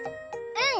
うん！